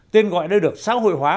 tên gọi đây được xã hội hóa